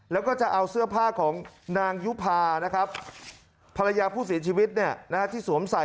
แล้วก็จะเอาเสื้อผ้าของนางยุภานะครับภรรยาผู้เสียชีวิตที่สวมใส่